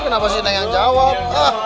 kenapa sih ada yang jawab